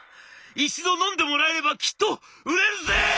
一度飲んでもらえればきっと売れるＺ！」。